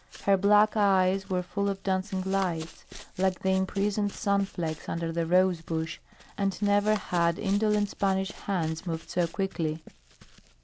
Her black eyes were full of dancing lights, like the imprisoned sun flecks under the rose bush, and never had indolent Spanish hands moved so quickly.